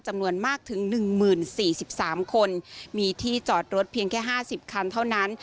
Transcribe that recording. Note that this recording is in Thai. จำนวนมากถึง๑๐๔๓คนมีที่จอดรถเพียงแค่๕๐คันเท่านั้น